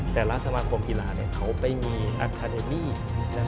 แต่ละสมาคมกีฬาเขาไปมีอาคาเดมี่